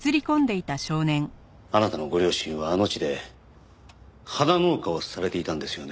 あなたのご両親はあの地で花農家をされていたんですよね。